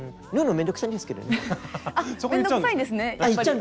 面倒くさいんですね。